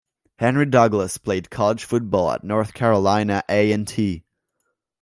Henry Douglas played college football at North Carolina A and T.